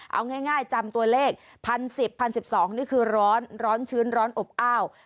เอาง่ายจำตัวเลข๑๐๑๐๑๒นี่คือร้อนร้อนชื้นร้อนอบอ้าว